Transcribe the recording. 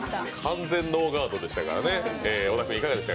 完全ノーガードでしたからね。